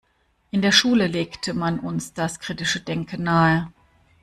In der Schule legte man uns das kritische Denken nahe.